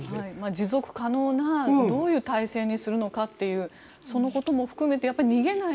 持続可能などういう体制にするのかというのも含めて